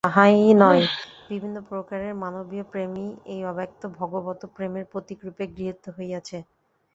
শুধু তাহাই নয়, বিভিন্ন প্রকারের মানবীয় প্রেমই এই অব্যক্ত ভগবৎ-প্রেমের প্রতীকরূপে গৃহীত হইয়াছে।